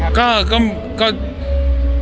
สะกัดเชียงมากยิ่งขึ้นไหมครับ